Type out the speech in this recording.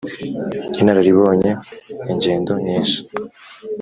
inararibonye, ingendo nyinshi.